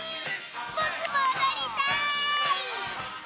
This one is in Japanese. ぼくもおどりたい！